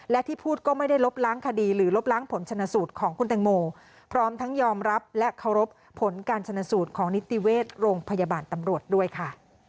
และที่พูดก็ไม่ได้ลบล้างคดีหรือลบล้างผลชนะสูตรของคุณแตงโมพร้อมทั้งยอมรับและเคารพผลการชนสูตรของนิติเวชโรงพยาบาลตำรวจด้วยค่ะ